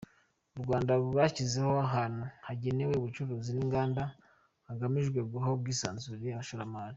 U Rwanda rwashyizeho ahantu hagenewe ubucuruzi n’inganda hagamijwe guha ubwisanzure abashoramari.